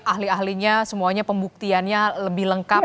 ahli ahlinya semuanya pembuktiannya lebih lengkap